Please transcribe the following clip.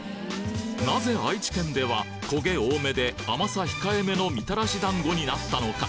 なぜ愛知県では焦げ多めで甘さ控えめのみたらし団子になったのか？